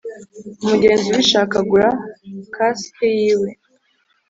Umugenzi ubishaka agura quaske yiwe